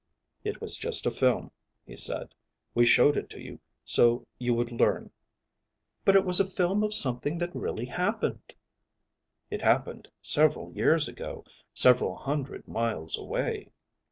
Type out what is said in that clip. "It was just a film," he said. "We showed it to you so you would learn." "But it was a film of something that really happened." "It happened several years ago, several hundred miles away."